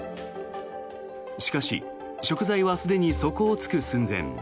しかし、食材はすでに底を突く寸前。